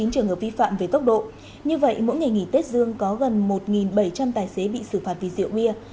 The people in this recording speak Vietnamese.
ba ba trăm chín mươi chín trường hợp vi phạm về tốc độ như vậy mỗi ngày nghỉ tết dương có gần một bảy trăm linh tài xế bị xử phạt vì rượu bia